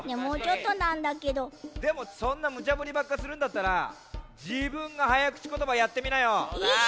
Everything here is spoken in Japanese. でもそんなムチャぶりばっかするんだったらじぶんがはやくちことばやってみなよ。え！？